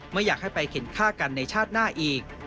ไม่อยากให้ไปเข็นฆ่ากันในชาติหน้าอีก